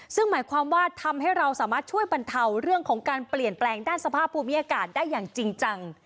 ซึ่งหมายความว่าทำให้เราสามารถช่วยบรรเทาเรื่องของการเปลี่ยนแปลงด้านสภาพภูมิอากาศได้อย่างจริงจัง